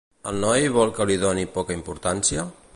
El noi vol que li doni poca importància?